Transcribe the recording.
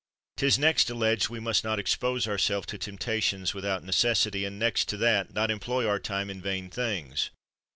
'Tis next alleged we must not expose ourselves to temptations without necessity, and next to that, not employ our time in vain things.